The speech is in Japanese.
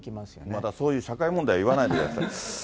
またそういう社会問題、言わないでください。